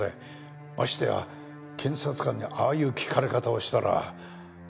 ましてや検察官にああいう聞かれ方をしたら。